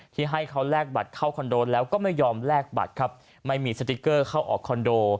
ให้เขาแลกบัตรเข้าคอนโดแล้วก็ไม่ยอมแลกบัตรครับไม่มีสติ๊กเกอร์เข้าออกคอนโด